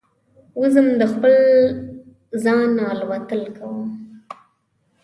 وزم د خپل ځانه الوتل کوم